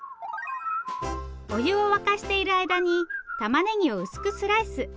お湯を沸かしている間にたまねぎを薄くスライス。